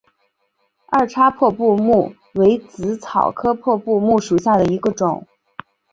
二叉破布木为紫草科破布木属下的一个种。